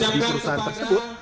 di perusahaan tersebut